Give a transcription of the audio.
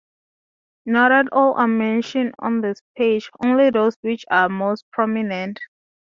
Not all are mentioned on this page, only those which are most prominent.